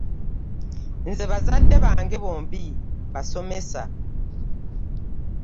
Nze bazadde bange bombi basomesa.